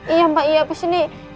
iya mbak iya kesini